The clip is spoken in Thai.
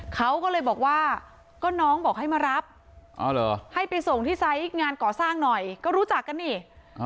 เขาก็เลยบอกว่าก็น้องบอกให้มารับให้ไปส่งที่ไซส์งานก่อสร้างหน่อยก็รู้จักกันนี่